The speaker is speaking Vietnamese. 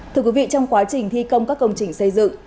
thưa quý vị trong quá trình thi công các công trình xây dựng